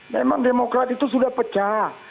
memang demokrat itu sudah pecah